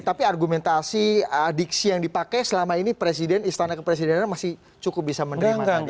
tapi argumentasi diksi yang dipakai selama ini presiden istana kepresidenan masih cukup bisa menerima saja